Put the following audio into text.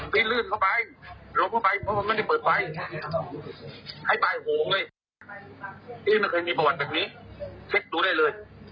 พี่มันเคยมีประวัติแบบนี้เช็คดูได้เลย